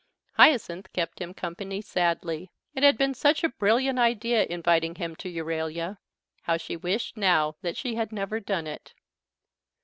Hyacinth kept him company sadly. It had been such a brilliant idea inviting him to Euralia; how she wished now that she had never done it.